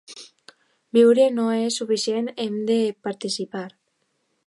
“Viure no és suficient, hem de participar”.